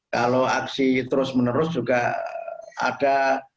kalau aksi terus menerus juga ada